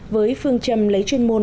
với phương châm lấy chuyên môn